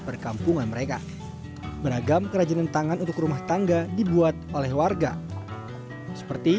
perkampungan mereka beragam kerajinan tangan untuk rumah tangga dibuat oleh warga seperti